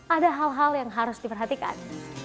ada hal hal yang harus diperhatikan